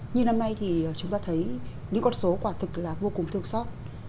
như năm nay thì chúng ta thấy những con số quả thực là vô cùng thường sót